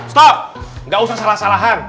stop nggak usah salah salahan